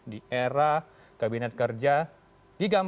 di era kabinet pembangunan